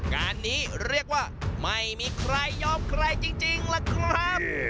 งานนี้เรียกว่าไม่มีใครยอมใครจริงล่ะครับ